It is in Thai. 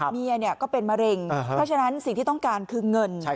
เมียก็เป็นมะเร็งเพราะฉะนั้นสิ่งที่ต้องการคือเงิน